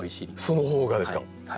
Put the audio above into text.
そのほうがですか。